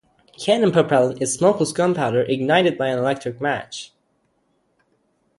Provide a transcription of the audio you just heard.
Cannon propellant is smokeless gunpowder ignited by an electric match.